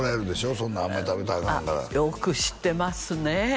そんなあんまり食べたらアカンからよく知ってますね